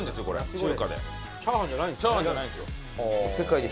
チャーハンじゃないんですよ。